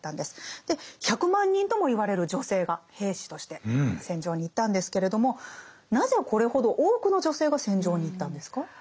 １００万人とも言われる女性が兵士として戦場に行ったんですけれどもなぜこれほど多くの女性が戦場に行ったんですか？